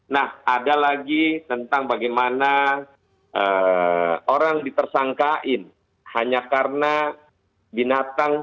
nah ada lagi tentang bagaimana orang ditersangkain hanya karena binatang